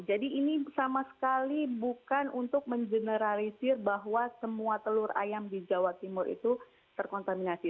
jadi ini sama sekali bukan untuk mengeneralisir bahwa semua telur ayam di jawa timur itu terkontaminasi